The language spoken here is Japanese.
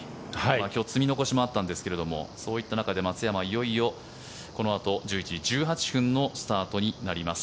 今日、積み残しもあったんですがそういう中で松山、いよいよこのあと１１時１８分のスタートになります。